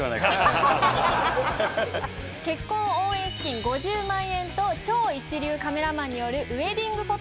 結婚応援資金５０万円と超一流カメラマンによるウエディングフォト